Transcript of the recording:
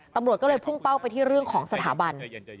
ตำรวจก็เลยพุ่งเป้าไปที่เรื่องของสถาบัน